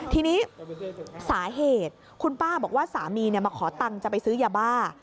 ทีนี้สาเหตุคุณป้าบอกว่าสามีมาขอตังค์จะไปซื้อยาบ้า